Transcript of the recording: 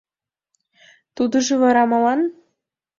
— Тудыжо вара молан?